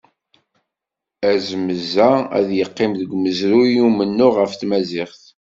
Azmez-a, ad yeqqim deg umezruy n umennuɣ ɣef tmaziɣt.